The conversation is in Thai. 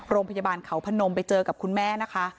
โรงพยาบาลเขาพนมไปเจอกับคุณแม่นะคะ